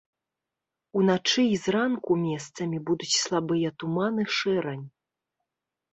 Уначы і зранку месцамі будуць слабыя туман і шэрань.